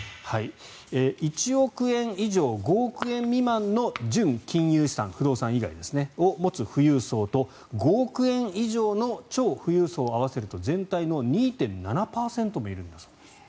１億円以上、５億円未満の純金融資産不動産以外を持つ富裕層と５億円以上の超富裕層を合わせると全体の２．７％もいるんです。